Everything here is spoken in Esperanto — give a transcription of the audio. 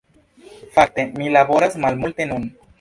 Fakte, mi laboras malmulte nun.